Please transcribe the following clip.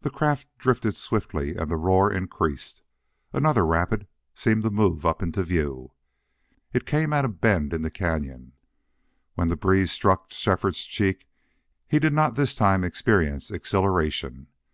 The craft drifted swiftly and the roar increased. Another rapid seemed to move up into view. It came at a bend in the cañon. When the breeze struck Shefford's cheeks he did not this time experience exhilaration.